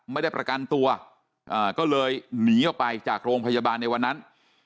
ไม่ได้ประกันตัวก็เลยหนีออกไปจากโรงพยาบาลในวันนั้น